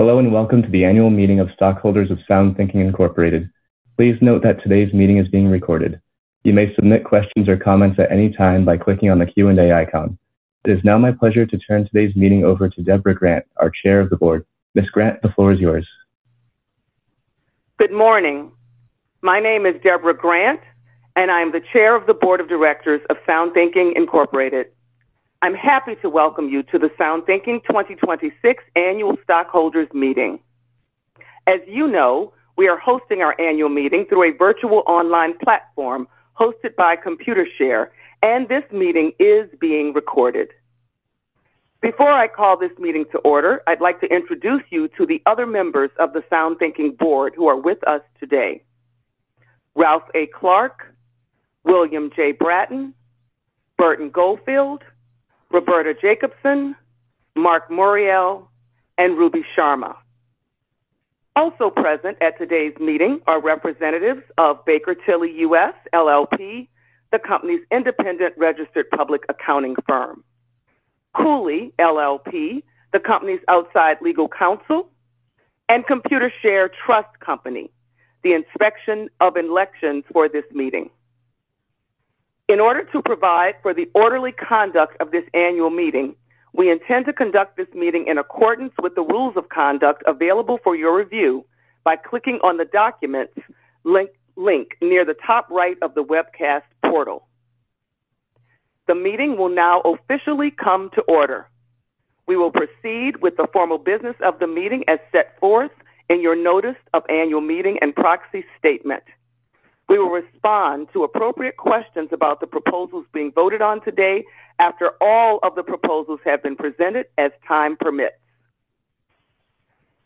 Hello and welcome to the annual meeting of stockholders of SoundThinking Incorporated. Please note that today's meeting is being recorded. You may submit questions or comments at any time by clicking on the Q&A icon. It is now my pleasure to turn today's meeting over to Deborah Grant, our chair of the board. Ms. Grant, the floor is yours. Good morning. My name is Deborah Grant, and I am the Chair of the Board of Directors of SoundThinking Incorporated. I'm happy to welcome you to the SoundThinking 2026 annual stockholders meeting. As you know, we are hosting our annual meeting through a virtual online platform hosted by Computershare, and this meeting is being recorded. Before I call this meeting to order, I'd like to introduce you to the other members of the SoundThinking board who are with us today: Ralph A. Clark, William J. Bratton, Burton Goldfield, Roberta Jacobson, Marc Morial, and Ruby Sharma. Also present at today's meeting are representatives of Baker Tilly US, LLP, the company's independent registered public accounting firm, Cooley LLP, the company's outside legal counsel, and Computershare Trust Company, the inspector of elections for this meeting. In order to provide for the orderly conduct of this annual meeting, we intend to conduct this meeting in accordance with the rules of conduct available for your review by clicking on the documents link near the top right of the webcast portal. The meeting will now officially come to order. We will proceed with the formal business of the meeting as set forth in your notice of annual meeting and proxy statement. We will respond to appropriate questions about the proposals being voted on today after all of the proposals have been presented as time permits.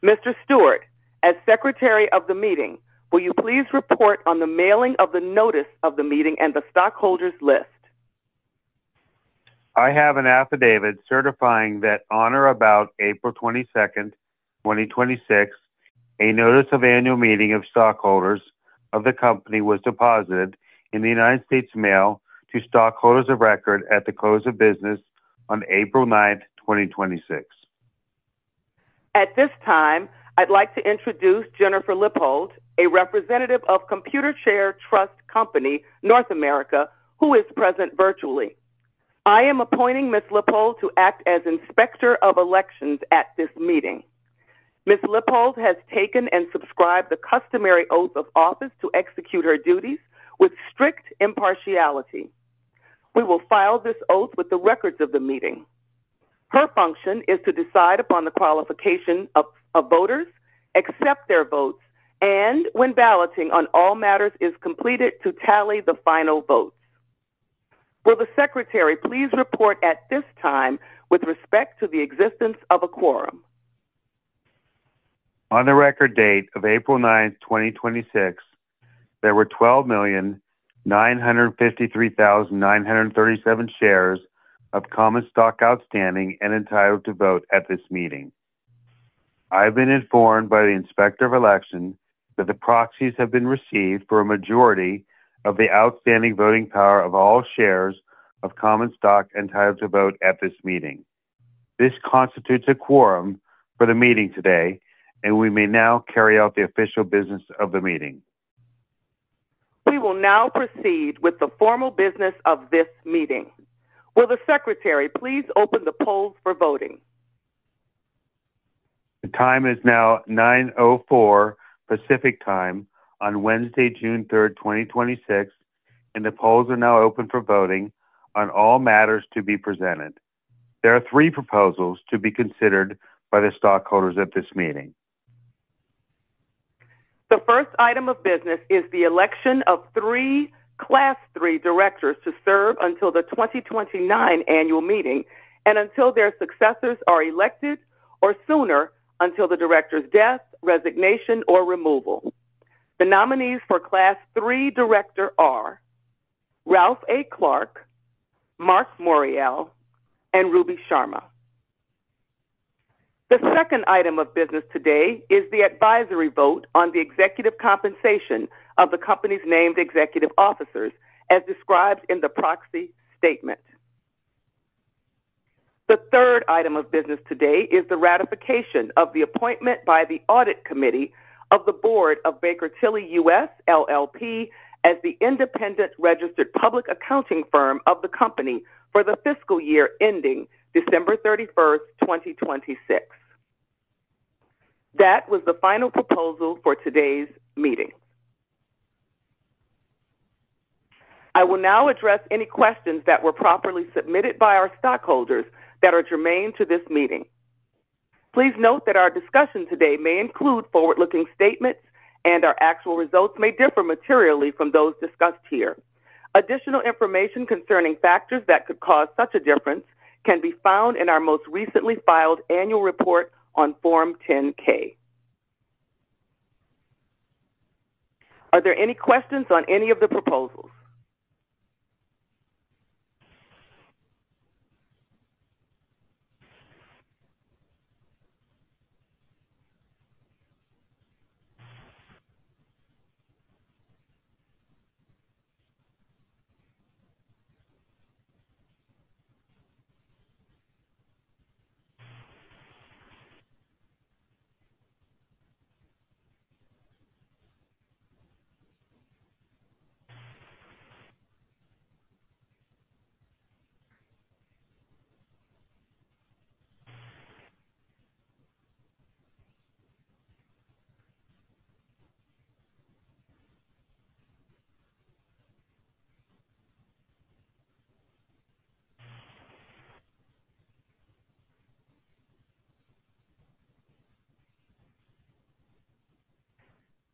Mr. Stewart, as secretary of the meeting, will you please report on the mailing of the notice of the meeting and the stockholders list? I have an affidavit certifying that on or about April 22nd, 2026, a notice of annual meeting of stockholders of the company was deposited in the United States Mail to stockholders of record at the close of business on April 9th, 2026. At this time, I'd like to introduce Jennifer Lippold, a representative of Computershare Trust Company, N.A., who is present virtually. I am appointing Ms. Lippold to act as inspector of elections at this meeting. Ms. Lippold has taken and subscribed the customary oath of office to execute her duties with strict impartiality. We will file this oath with the records of the meeting. Her function is to decide upon the qualification of voters, accept their votes, and when balloting on all matters is completed, to tally the final votes. Will the secretary please report at this time with respect to the existence of a quorum? On the record date of April 9th, 2026, there were 12,953,937 shares of common stock outstanding and entitled to vote at this meeting. I have been informed by the inspector of election that the proxies have been received for a majority of the outstanding voting power of all shares of common stock entitled to vote at this meeting. This constitutes a quorum for the meeting today, and we may now carry out the official business of the meeting. We will now proceed with the formal business of this meeting. Will the secretary please open the polls for voting? The time is now 9:04 A.M. Pacific Time on Wednesday, June 3rd, 2026, and the polls are now open for voting on all matters to be presented. There are three proposals to be considered by the stockholders at this meeting. The first item of business is the election of three Class III directors to serve until the 2029 annual meeting and until their successors are elected or sooner until the director's death, resignation, or removal. The nominees for Class III directorr are Ralph A. Clark, Marc Morial, and Ruby Sharma. The second item of business today is the advisory vote on the executive compensation of the company's named executive officers, as described in the proxy statement. The third item of business today is the ratification of the appointment by the audit committee of the board of Baker Tilly US, LLP as the independent registered public accounting firm of the company for the fiscal year ending December 31st, 2026. That was the final proposal for today's meeting. I will now address any questions that were properly submitted by our stockholders that are germane to this meeting. Please note that our discussion today may include forward-looking statements and our actual results may differ materially from those discussed here. Additional information concerning factors that could cause such a difference can be found in our most recently filed annual report on Form 10-K. Are there any questions on any of the proposals?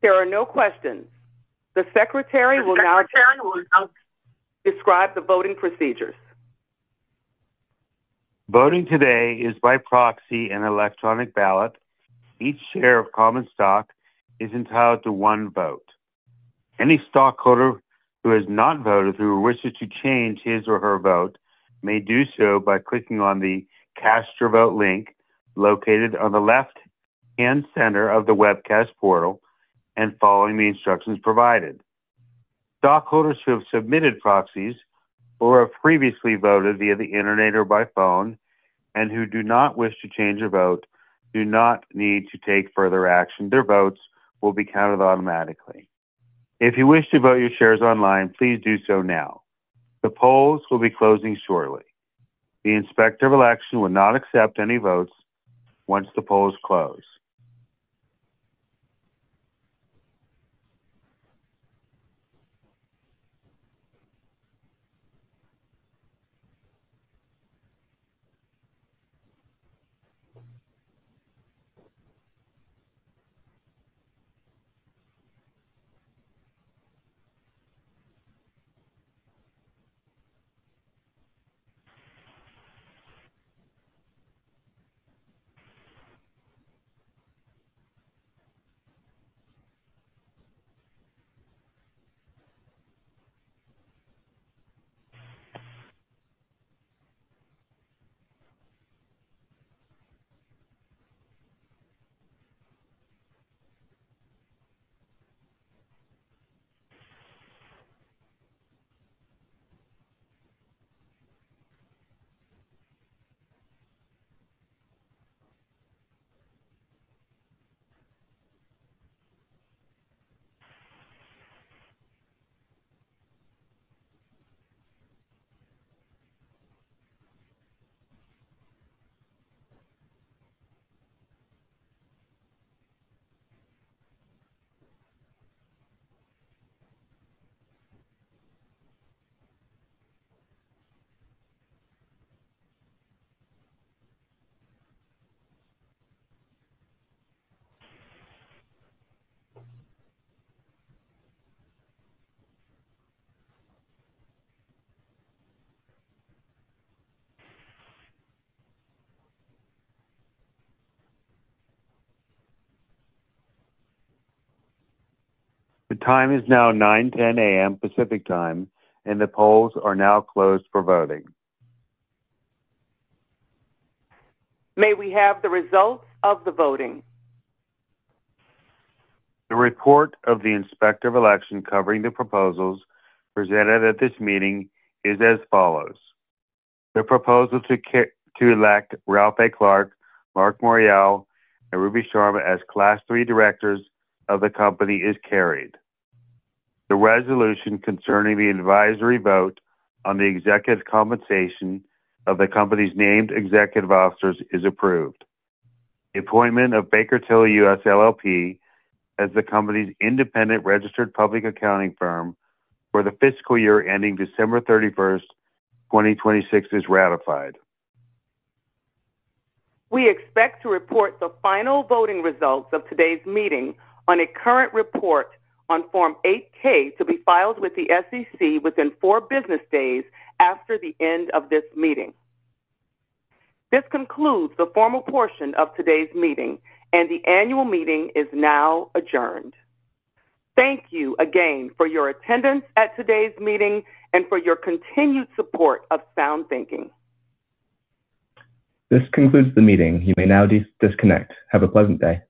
There are no questions. The secretary will now describe the voting procedures. Voting today is by proxy and electronic ballot. Each share of common stock is entitled to one vote. Any stockholder who has not voted, who wishes to change his or her vote, may do so by clicking on the Cast Your Vote link located on the left and center of the webcast portal and following the instructions provided. Stockholders who have submitted proxies or have previously voted via the internet or by phone and who do not wish to change their vote do not need to take further action. Their votes will be counted automatically. If you wish to vote your shares online, please do so now. The polls will be closing shortly. The Inspector of Election will not accept any votes once the polls close. The time is now 9:10 A.M. Pacific Time, and the polls are now closed for voting. May we have the results of the voting? The report of the Inspector of Election covering the proposals presented at this meeting is as follows: The proposal to elect Ralph A. Clark, Marc Morial, and Ruby Sharma as Class III directors of the company is carried. The resolution concerning the advisory vote on the executive compensation of the company's named executive officers is approved. The appointment of Baker Tilly US, LLP as the company's independent registered public accounting firm for the fiscal year ending December 31st, 2026 is ratified. We expect to report the final voting results of today's meeting on a current report on Form 8-K to be filed with the SEC within four business days after the end of this meeting. This concludes the formal portion of today's meeting, and the annual meeting is now adjourned. Thank you again for your attendance at today's meeting and for your continued support of SoundThinking. This concludes the meeting. You may now disconnect. Have a pleasant day.